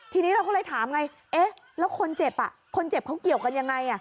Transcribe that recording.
ทีนี้เราก็เลยถามไงแล้วคนเจ็บเขาเกี่ยวกันยังไง